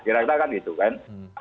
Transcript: kira kira kan gitu kan